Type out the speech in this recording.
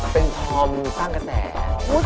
เป็นทอมข้างแกะแกะ